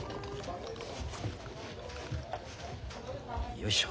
よいしょ。